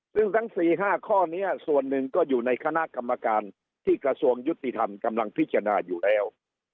ซึ่งทั้ง๔๕ข้อนี้ส่วนหนึ่งก็อยู่ในคณะกรรมการที่กระทรวงยุติธรรมกำลังพิจารณาอยู่แล้ว